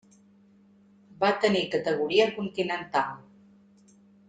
Va tenir categoria Continental.